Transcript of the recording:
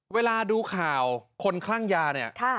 เวลาดูข่าวคนคลั่งยาเนี่ย